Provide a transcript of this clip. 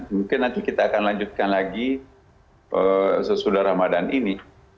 mungkin nanti kita akan lanjutkan lagi sesudah ramadan ini